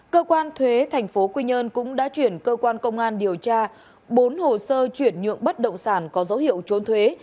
cơ quan thuế tp quy nhơn cũng đã chuyển cơ quan công an điều tra bốn hồ sơ chuyển nhượng bất động sản có dấu hiệu trốn thuế